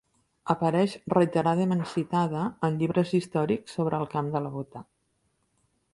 Apareix reiteradament citada en llibres històrics sobre el Camp de la Bota.